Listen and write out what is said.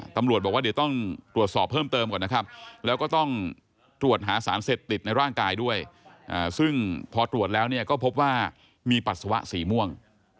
ตำรวจบอกว่าเดี๋ยวต้องตรวจสอบเพิ่มเติมก่อนนะครับแล้วก็ต้องตรวจหาสารเสพติดในร่างกายด้วยซึ่งพอตรวจแล้วเนี่ยก็พบว่ามีปัสสาวะสีม่วง